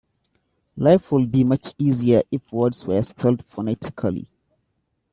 Life would be much easier if words were spelt phonetically.